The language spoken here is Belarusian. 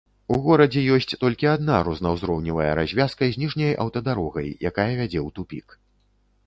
У горадзе ёсць толькі адна рознаўзроўневая развязка з ніжняй аўтадарогай, якая вядзе ў тупік.